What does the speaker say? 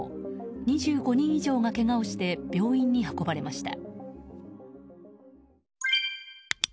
２５人以上がけがをして病院に運ばれました。